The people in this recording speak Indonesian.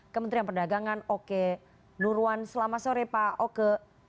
kementerian perdagangan oke nurwan selamat sore pak oke